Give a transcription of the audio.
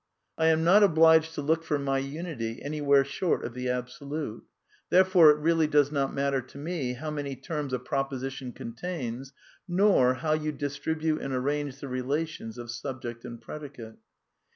I am not obliged to look for my unity anywhere short of the Absolute. Therefore it really does not matter to me how many terms a proposition con tains, nor how you distribute and arrange the relations of subject and predicate.